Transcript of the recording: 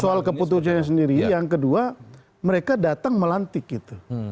soal keputusannya sendiri yang kedua mereka datang melantik gitu